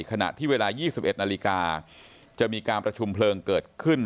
ขณะที่เวลา๒๑นาฬิกาจะมีการประชุมเพลิงเกิดขึ้น